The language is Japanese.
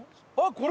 これ？